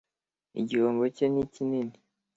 Igihombo cye nikinini.